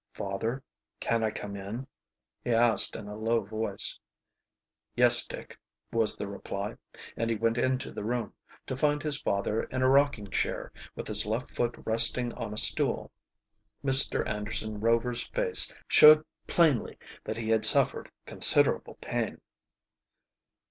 "Father, can I come in?" he asked in a low voice. "Yes, Dick," was the reply, and he went into the room, to find his father in a rocking chair, with his left foot resting on a stool. Mr. Anderson Rover's face showed plainly that he had suffered considerable pain.